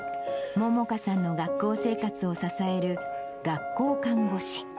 萌々華さんの学校生活を支える学校看護師。